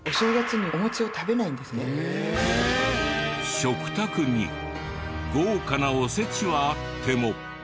食卓に豪華なおせちはあっても。